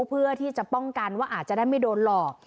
เพื่อที่จะป้องกันว่าอาจจะได้ไม่โดนหลอก